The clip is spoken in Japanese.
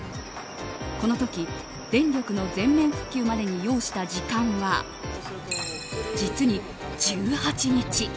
この時、電力の全面復旧までに要した時間は実に１８日。